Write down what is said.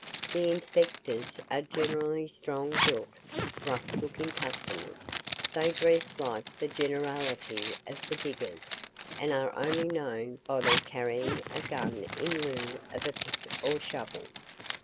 The inspectors are generally strong built, rough looking customers, they dress like the generality of the diggers, and are only known by their carrying a gun in lieu of a pick or shovel.